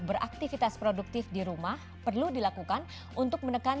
beraktivitas produktif di rumah perlu dilakukan untuk menekan